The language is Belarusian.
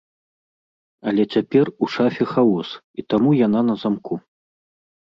Але цяпер у шафе хаос і таму яна на замку.